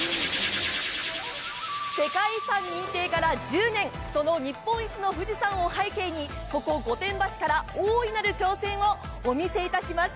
世界遺産認定から１０年、その日本一の富士山を背景に、ここ、御殿場市から大いなる挑戦をお見せいたします。